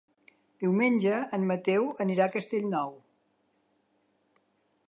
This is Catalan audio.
Diumenge en Mateu anirà a Castellnou.